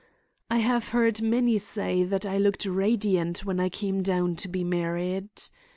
"I have heard many say that I looked radiant when I came down to be married.